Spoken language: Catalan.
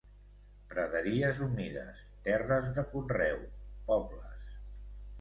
Praderies humides, terres de conreu, pobles.